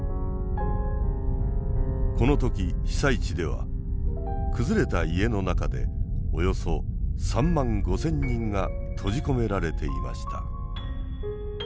この時被災地では崩れた家の中でおよそ３万５，０００人が閉じ込められていました。